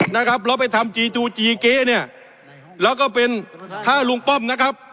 นะครับแล้วไปทำจีจูจีเก๊เนี่ยแล้วก็เป็นถ้าลุงป้อมนะครับ